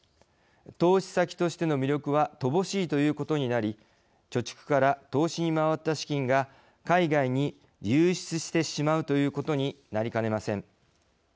投資先としての魅力は乏しいということになり貯蓄から投資に回った資金が海外に流出してしまうということになりかねません。